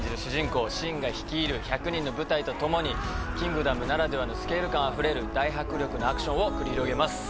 公信が率いる１００人の部隊と共に『キングダム』ならではのスケール感あふれる大迫力のアクションを繰り広げます。